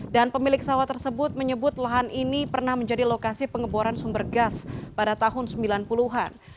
dan pemilik sawah tersebut menyebut lahan ini pernah menjadi lokasi pengeboran sumber gas pada tahun sembilan puluh an